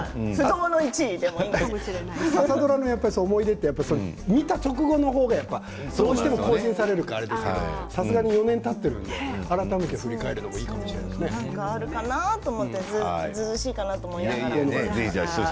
朝ドラの思い出は見た直後の方でどうしても更新されるからさすがに４年たっているので改めて振り返るのも何かあるかなと思ってずうずうしいかなと思いながら。